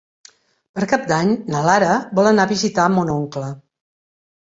Per Cap d'Any na Lara vol anar a visitar mon oncle.